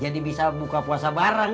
jadi bisa buka puasa bareng